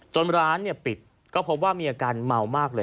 ร้านปิดก็พบว่ามีอาการเมามากเลย